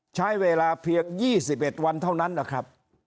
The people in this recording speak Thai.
ใช้เวลาเพียง๒๑วันเท่านั้นนะครับ